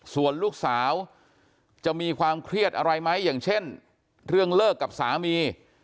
ส่วนลูกสาวจะมีความเครียดอะไรไหมอย่างเช่นเรื่องเลิกกับสามี